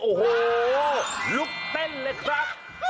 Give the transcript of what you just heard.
โอ้โหลุกเต้นเลยครับ